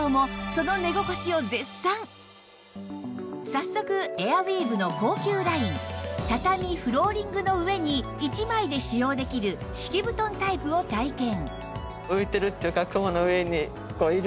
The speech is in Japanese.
早速エアウィーヴの高級ライン畳フローリングの上に一枚で使用できる敷布団タイプを体験